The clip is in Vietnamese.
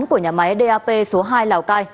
của nhà máy dap số hai lào cai